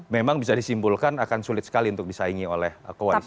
memang bisa disimpulkan akan sulit sekali untuk disaingi oleh koalisi